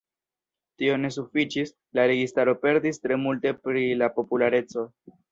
Tio ne sufiĉis, la registaro perdis tre multe pri la populareco.